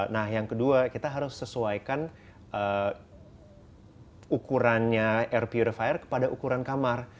nah yang kedua kita harus sesuaikan ukurannya air purifier kepada ukuran kamar